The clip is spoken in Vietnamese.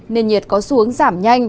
nền nhiệt có xuống giảm nhanh